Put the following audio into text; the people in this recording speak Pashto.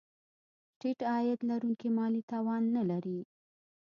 ټیټ عاید لرونکي مالي توان نه لري.